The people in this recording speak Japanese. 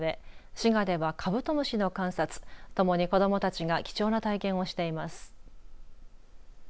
滋賀ではカブトムシの観察共に子どもたちが貴重な体験をしています。